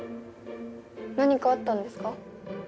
何かあったんですか？